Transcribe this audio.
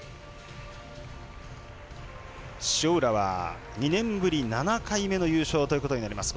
塩浦は２年ぶり７回目の優勝となります。